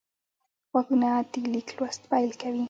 غوږونه د لیک لوست پیل کوي